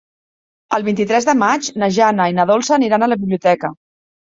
El vint-i-tres de maig na Jana i na Dolça aniran a la biblioteca.